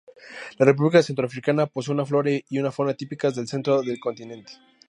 La República Centroafricana posee una flora y una fauna típicas del centro del continente.